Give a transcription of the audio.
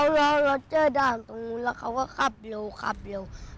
พอแต่เน็ตพานี่มืดมากมืดจนน่ากลัวมืดเนี้ย